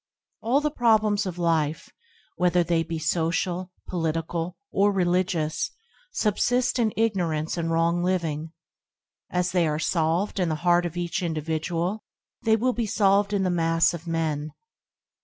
All the problems of life, whether they be social, political, or religious, subsist in ignorance and wrong living. As they are solved in the heart of each individual, they will be solved in the mass of men.